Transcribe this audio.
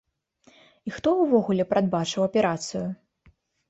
І хто ўвогуле прадбачыў аперацыю?